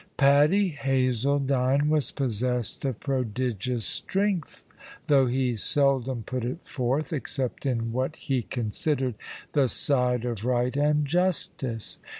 "Paddy Hazledine was possessed of prodigious strength, though he seldom put it forth, except in what he considered the side of right and justice.